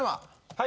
はい。